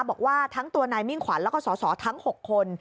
บอกว่าทั้งตัวนายมิ่งขวัญแล้วก็สอสอทั้ง๖คน